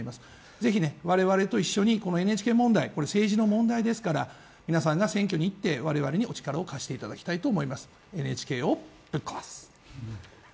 ぜひ我々と一緒にＮＨＫ問題、政治の問題ですから、皆さんが選挙に行って我々にお力をお貸ししていただきたいと思います。